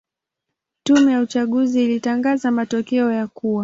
Tume ya uchaguzi ilitangaza matokeo ya kuwa